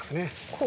こう？